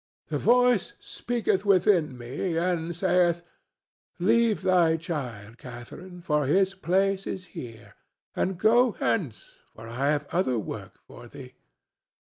The voice speaketh within me and saith, 'Leave thy child, Catharine, for his place is here, and go hence, for I have other work for thee.